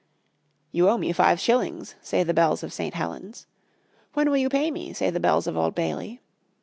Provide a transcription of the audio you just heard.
"You owe me five shillings," Say the bells of St. Helen's. "When will you pay me?" Say the bells of Old Bailey.